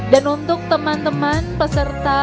dan untuk teman teman peserta